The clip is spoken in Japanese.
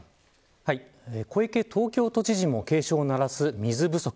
小池東京都知事も警鐘を鳴らす水不足。